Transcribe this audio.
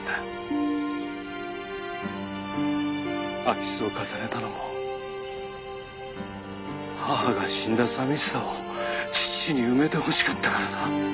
空き巣を重ねたのも母が死んだ寂しさを父に埋めてほしかったからだ。